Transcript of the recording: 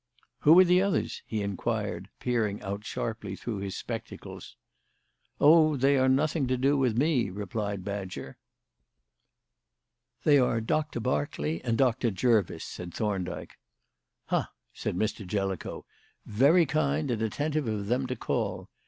"Who are the others?" he inquired, peering out sharply through his spectacles. "O, they are nothing to do with me," replied Badger. "They are Doctor Berkeley and Doctor Jervis," said Thorndyke. "Ha!" said Mr. Jellicoe; "very kind and attentive of them to call.